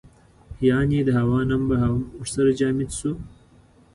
یعنې د هوا نم به هم ورسره جامد شو.